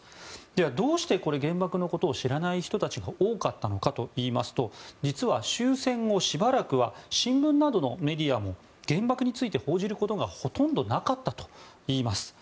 では、どうして原爆のことを知らない人たちが多かったのかといいますと実は終戦後しばらくは新聞などのメディアも原爆について報じることがほとんどなかったといいます。